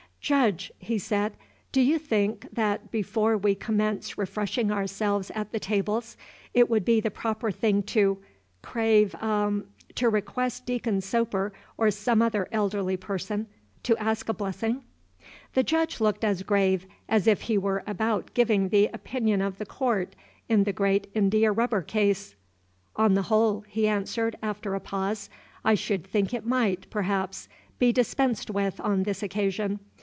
"Judge," he said, "do you think, that, before we commence refreshing ourselves at the tables, it would be the proper thing to crave a to request Deacon Soper or some other elderly person to ask a blessing?" The Judge looked as grave as if he were about giving the opinion of the Court in the great India rubber case. "On the whole," he answered, after a pause, "I should think it might, perhaps, be dispensed with on this occasion.